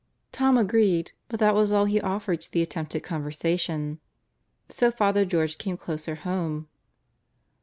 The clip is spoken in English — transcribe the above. Tom agreed, but that was all he offered to the attempted conversation. So Father George came closer home.